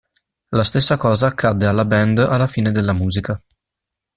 La stessa cosa accade alla band alla fine della musica.